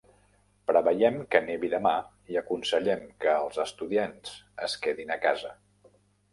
Preveiem que nevi demà i aconsellem que els estudiants es quedin a casa.